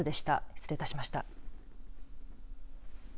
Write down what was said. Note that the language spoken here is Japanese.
失礼いたしました。